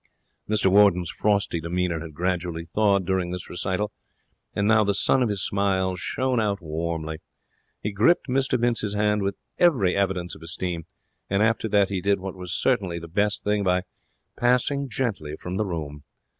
Mr Warden's frosty demeanour had gradually thawed during this recital, and now the sun of his smile shone out warmly. He gripped Mr Vince's hand with every evidence of esteem, and after that he did what was certainly the best thing, by passing gently from the room.